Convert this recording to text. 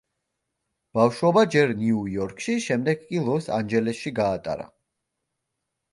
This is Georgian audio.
ბავშვობა ჯერ ნიუ-იორკში, შემდეგ კი ლოს-ანჯელესში გაატარა.